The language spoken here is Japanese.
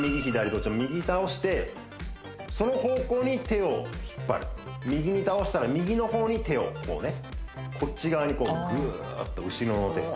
どっちでも右倒してその方向に手を引っ張る右に倒したら右のほうに手をこうねこっち側にぐーっと後ろの手